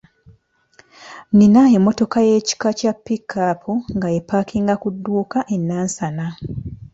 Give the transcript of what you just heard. Nina emmotoka ey’ekika kya ‘pickup’ nga epaakinga ku dduuka e Nansana.